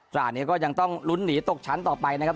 ตราดนี้ก็ยังต้องลุ้นหนีตกชั้นต่อไปนะครับ